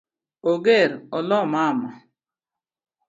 Ong’er olo mama